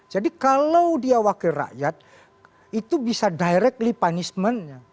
jadi kalau dia wakil rakyat itu bisa directly punishment nya